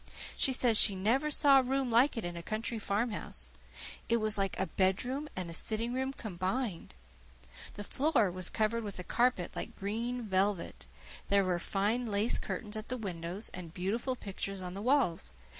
She says she never saw a room like it in a country farmhouse. It was like a bed room and sitting room combined. The floor was covered with a carpet like green velvet. There were fine lace curtains at the windows and beautiful pictures on the walls.